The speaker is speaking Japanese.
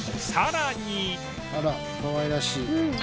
あらかわいらしい。